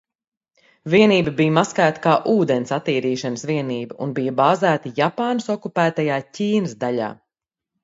Vienība bija maskēta kā ūdens attīrīšanas vienība un bija bāzēta Japānas okupētajā Ķīnas daļā.